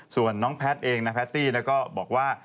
ส่วนน้องแพทย์เองนะแพตตี้ก็บอกว่า